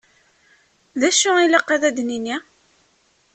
Dacu i ilaq ad d-nini?